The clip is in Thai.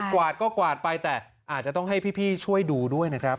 วาดก็กวาดไปแต่อาจจะต้องให้พี่ช่วยดูด้วยนะครับ